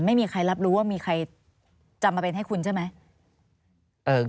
ไม่มีใครรับรู้ว่ามีใครจำมาเป็นให้คุณใช่ไหม